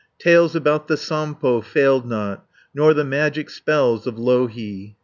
Tales about the Sampo failed not, Nor the magic spells of Louhi.